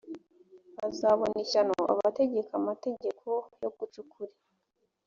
bazabona ishyano abategeka amategeko yo guca ukuri